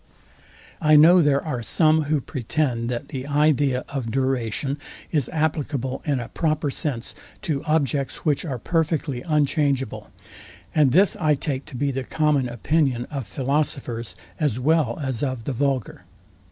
I know there are some who pretend, that the idea of duration is applicable in a proper sense to objects, which are perfectly unchangeable; and this I take to be the common opinion of philosophers as well as of the vulgar.